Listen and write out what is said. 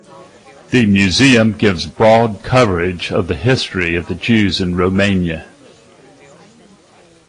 The museum gives broad coverage of the history of the Jews in Romania.